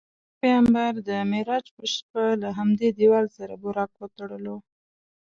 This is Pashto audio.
زموږ پیغمبر د معراج په شپه له همدې دیوال سره براق وتړلو.